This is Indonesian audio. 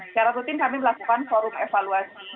secara rutin kami melakukan forum evaluasi